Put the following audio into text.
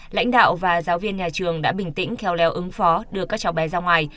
lãnh đạo và giáo viên nhà trường đã bình tĩnh kheo léo ứng phó đưa các cháu bé ra ngoài